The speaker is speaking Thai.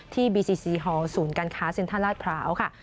บีซีซีฮอลศูนย์การค้าเซ็นทรัลลาดพร้าวค่ะ